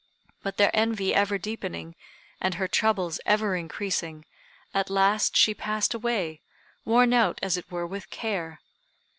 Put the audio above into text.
But their envy ever deepening, and her troubles ever increasing, at last she passed away, worn out, as it were, with care.